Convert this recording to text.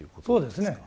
そうですね。